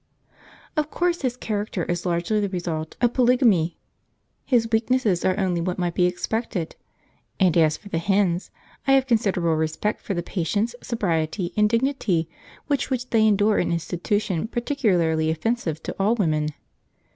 Of course his character is largely the result of polygamy. His weaknesses are only what might be expected; and as for the hens, I have considerable respect for the patience, sobriety, and dignity with which they endure an institution particularly offensive to all women.